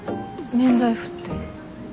免罪符って？